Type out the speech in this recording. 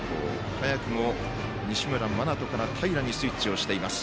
早くも、西村真人から平にスイッチしています。